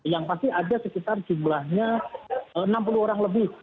yang pasti ada sekitar jumlahnya enam puluh orang lebih